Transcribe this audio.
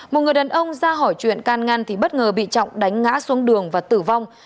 một người đàn ông ra hỏi chuyện can ngăn thì bất ngờ bị trọng đánh ngã xuống đường và tử vong